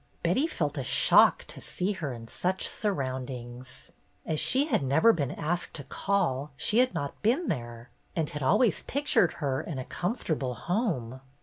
Betty felt a shock to see her in such surroundings. As she had never been asked to call, she had not been there, and had always pictured her in a comfortable home.